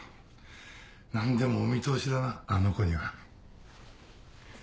何でもお見通しだなあの子には。